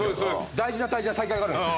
大事な大事な大会があるんです。